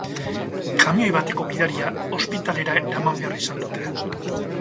Kamioi bateko gidaria ospitalera eraman behar izan dute.